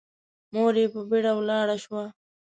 مور يې په بيړه ولاړه شوه.